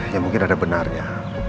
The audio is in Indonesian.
ya mungkin ada benarnya